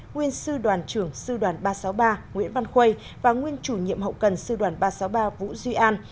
nguyên sư đoàn trưởng sư đoàn ba trăm sáu mươi ba nguyễn văn khuây và nguyên chủ nhiệm hậu cần sư đoàn ba trăm sáu mươi ba vũ duy an